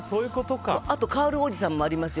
あとカールおじさんもありますよ。